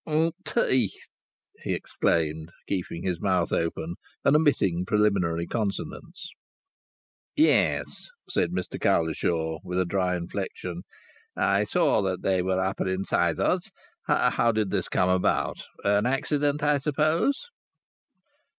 "'Ont 'eeth," he exclaimed, keeping his mouth open and omitting preliminary consonants. "Yes," said Mr Cowlishaw, with a dry inflection. "I saw that they were upper incisors. How did this come about? An accident, I suppose?"